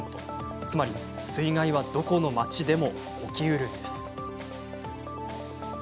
つまり水害はどこの町でも起きうるんです。